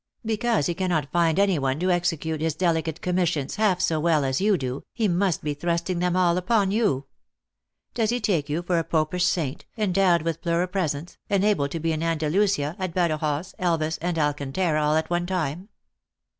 Because he cannot find any one to execute his delicate commis sions half so well as you do, he must be thrusting them all upon you ! Does he take you for a Popish saint, endowed with pluripresence, and able to be in Anda 16 3 TO THE ACTRESS IN HIGH LIFE. lusia, at Badajoz, Elvas, ana Alcantara, all at one time?"